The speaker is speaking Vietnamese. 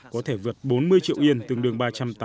có thể vượt bốn mươi triệu yên từng đường ba trăm linh